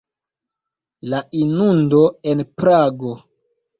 La inundo en Prago.